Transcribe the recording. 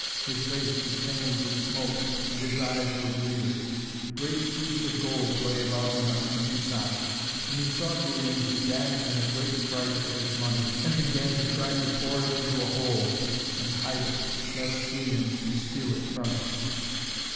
His face was tanned with smoke and his eyes were bleared. Great heaps of gold lay about him on every side. When he saw Guyon, he dashed in a great fright at his money, and began to try to pour it into a hole and hide it, lest Guyon should steal it from him.